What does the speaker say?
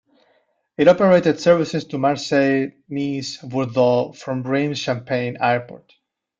It operated services to Marseille, Nice and Bordeaux from Reims Champagne Airport.